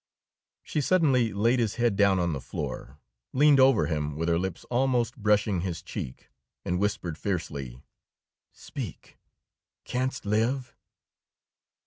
She suddenly laid his head down on the floor, leaned over him with her lips almost brushing his cheek, and whispered fiercely: "Speak! Canst live?"